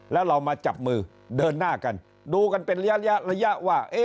แล้วเรามาจับมือเดินหน้ากันดูกันเป็นระยะระยะว่า